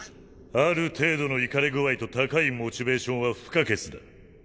ある程度のイカれ具合と高いモチベーションは不可欠だ。